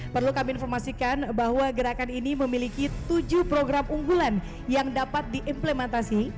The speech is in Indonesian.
perlu kami informasikan bahwa gerakan ini memiliki tujuh program unggulan yang dapat diimplementasi